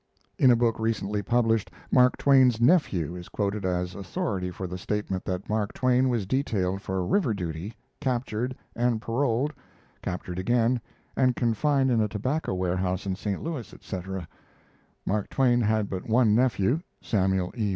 [In a book recently published, Mark Twain's "nephew" is quoted as authority for the statement that Mark Twain was detailed for river duty, captured, and paroled, captured again, and confined in a tobacco warehouse in St. Louis, etc. Mark Twain had but one nephew: Samuel E.